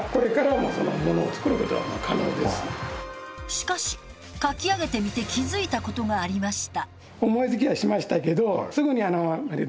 しかし描き上げてみて気付いたことがありました。